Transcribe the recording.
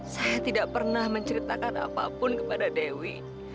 saya tidak pernah menceritakan apapun kepada dewi